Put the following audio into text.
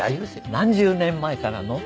何十年前からの？